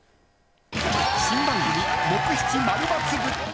新番組「木７◎×部」。